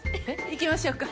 行きましょうか。